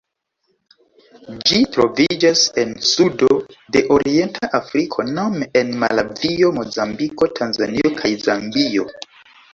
Ĝi troviĝas en sudo de orienta Afriko nome en Malavio, Mozambiko, Tanzanio kaj Zambio.